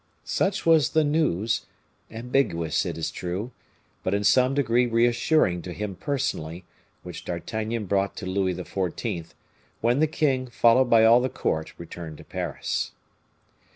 Such was the news, ambiguous, it is true, but in some degree reassuring to him personally, which D'Artagnan brought to Louis XIV., when the king, followed by all the court, returned to Paris.